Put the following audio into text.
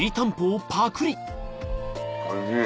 おいしい。